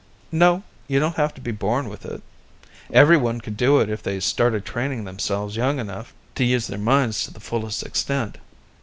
"No, you don't have to be born with it. Everyone could do it if they started training themselves young enough to use their minds to the fullest extent.